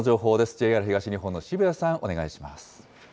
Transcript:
ＪＲ東日本の渋谷さん、お願いします。